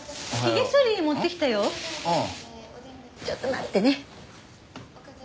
ちょっと待ってね。